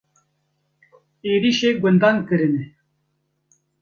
Êrişî gundan kirine.